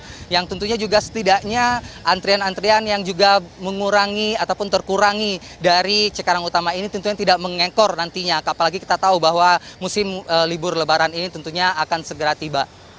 nah yang tentunya juga setidaknya antrian antrian yang juga mengurangi ataupun terkurangi dari cikarang utama ini tentunya tidak mengekor nantinya apalagi kita tahu bahwa musim libur lebaran ini tentunya akan segera tiba